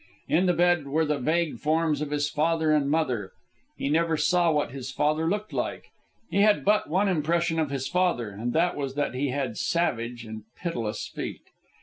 In the bed were the vague forms of his father and mother. He never saw what his father looked like. He had but one impression of his father, and that was that he had savage and pitiless feet.